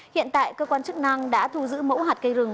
hiện tại cơ quan chức năng đã thu giữ mẫu hạt cây rừng